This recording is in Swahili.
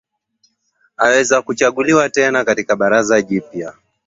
aweza kuchaguliwa tena tena katika baraza jipya